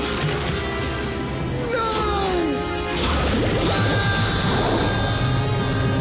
うわ！！